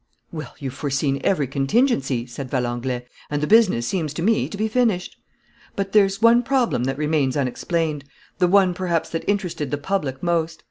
"Well, you've foreseen every contingency," said Valenglay, "and the business seems to me to be finished. But there's one problem that remains unexplained, the one perhaps that interested the public most.